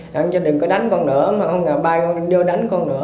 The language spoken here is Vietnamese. làm cho đừng có đánh con nữa mà không là ba con đưa đánh con nữa